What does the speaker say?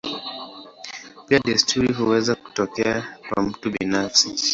Pia desturi huweza kutokea kwa mtu binafsi.